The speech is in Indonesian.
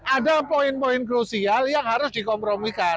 ada poin poin krusial yang harus dikompromikan